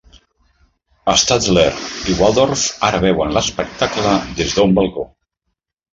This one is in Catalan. Statler i Waldorf ara veuen l'espectacle des d'un balcó.